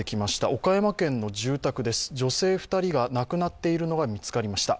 岡山県の住宅です、女性２人が亡くなっているのが見つかりました。